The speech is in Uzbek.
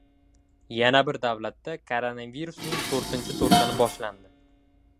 Yana bir davlatda koronavirusning to‘rtinchi to‘lqini boshlandi